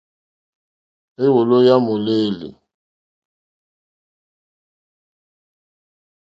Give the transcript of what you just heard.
Éwòló yá mòlêlì.